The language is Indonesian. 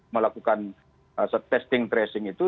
melakukan testing tracing itu